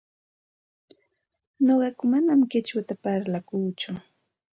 Nuqaku manam qichwata parlapaakuuchu,